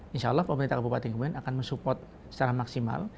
insya allah pemerintah kabupaten kebun akan mensupport secara maksimal